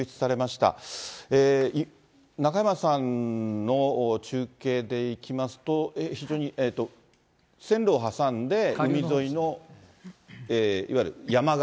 中山さんの中継でいきますと、線路を挟んで海沿いの、いわゆる山側。